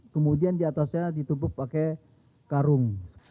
kemudian di atasnya ditumpuk pakai karung